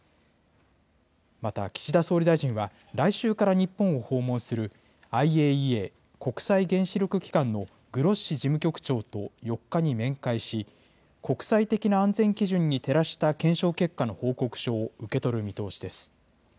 また、岸田総理大臣は来週から日本を訪問する、ＩＡＥＡ・国際原子力機関のグロッシ事務局長と４日に面会し、国際的な安全基準に照らした検証結果の報告書を受け取る見通しです。